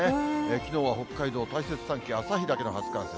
きのうは北海道大切山系、旭岳の初冠雪。